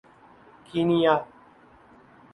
Kenya